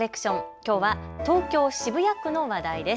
きょうは東京渋谷区の話題です。